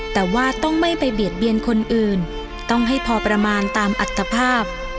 แต่ว่าต้องไม่ไปเบียดเบียนคนอื่นต้องให้พอประมาณตามอัตภาพ